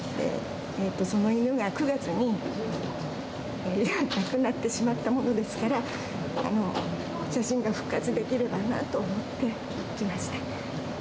その犬が９月に亡くなってしまったものですから、写真が復活できればなと思って来ました。